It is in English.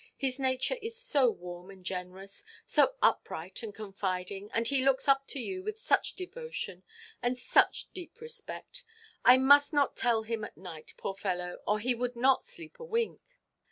His nature is so warm and generous, so upright and confiding, and he looks up to you with such devotion, and such deep respect. I must not tell him at night, poor fellow, or he would not sleep a wink.